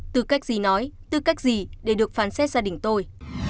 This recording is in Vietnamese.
tư cách gì nói tư cách gì để được phán xét gia đình tôi